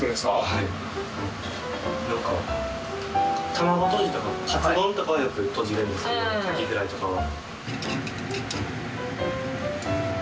卵とじとかカツ丼とかはよくとじれるんですけどカキフライとかは。